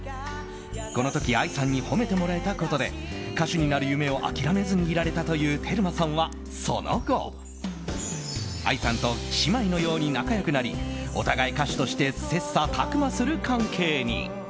この時、ＡＩさんに褒めてもらえたことで歌手になる夢を諦めずにいられたというテルマさんはその後、ＡＩさんと姉妹のように仲良くなりお互い歌手として切磋琢磨する関係に。